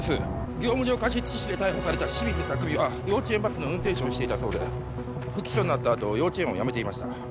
業務上過失致死で逮捕された清水拓海は幼稚園バスの運転手をしていたそうで不起訴になったあと幼稚園を辞めていました